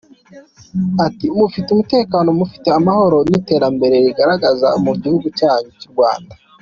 Ati : Mufite umutekano, Mufite Amahoro n’Iterambere ririgaragaza mu Igihugu cyacu cy’u Rwanada.